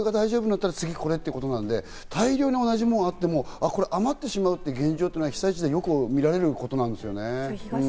これが大丈夫になったら次はこれということで、大量に同じものがあっても余ってしまうという現状というのは被災地でよく見られることですね。